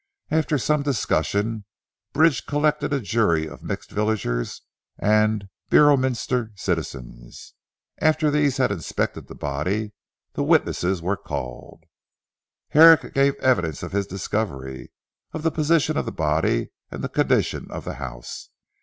After some discussion, Bridge collected a jury of mixed villagers and Beorminster citizens. After these had inspected the body, the witnesses were called. Herrick gave evidence of his discovery, of the position of the body, and of the condition of the house.